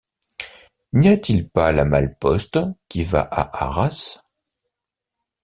N’y a-t-il pas la malle-poste qui va à Arras?